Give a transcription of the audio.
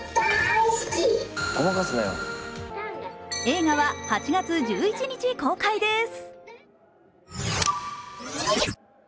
映画は８月１１日公開です。